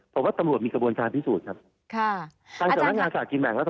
เพราะว่าตำรวจมีกระบวนจารย์พิสูจน์